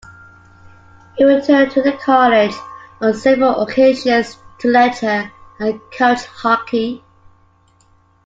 He returned to the College on several occasions to lecture and coach hockey.